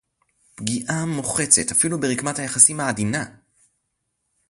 פגיעה מוחצת אפילו ברקמת היחסים העדינה